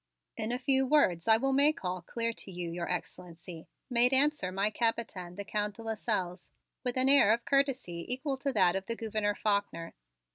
"In a few words I will make all clear to you, Your Excellency," made answer my Capitaine, the Count de Lasselles, with an air of courtesy equal to that of the Gouverneur Faulkner.